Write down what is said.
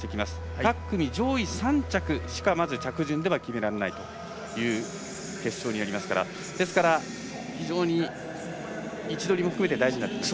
各組上位３着しか着順では決められないという決勝になりますから非常に位置取りも含めて大事になってきます。